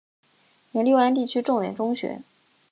原六安地区重点中学。